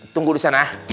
tunggu di sana ya